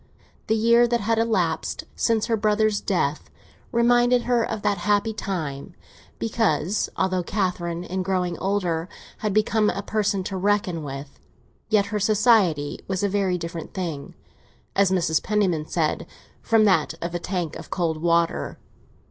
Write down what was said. The year that had elapsed since her brother's death reminded her—of that happy time, because, although Catherine, in growing older, had become a person to be reckoned with, yet her society was a very different thing, as Mrs. Penniman said, from that of a tank of cold water.